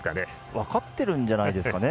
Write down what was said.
分かってるんじゃないですかね。